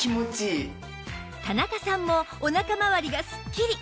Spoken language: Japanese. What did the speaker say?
田中さんもお腹まわりがすっきり